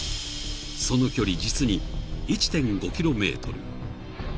［その距離実に１．５ｋｍ］